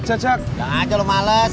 tidak di rumah